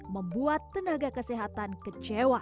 membuat tenaga kesehatan keterlaluan